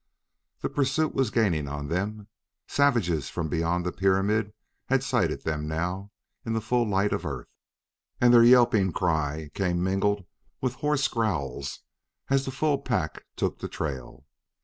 The pursuit was gaining on them; savages from beyond the pyramid had sighted them now in the full light of Earth, and their yelping cry came mingled with hoarse growls as the full pack took the trail.